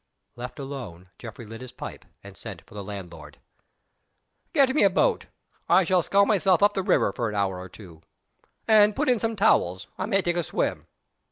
Left alone, Geoffrey lit his pipe and sent for the landlord. "Get me a boat. I shall scull myself up the river for an hour or two. And put in some towels. I may take a swim."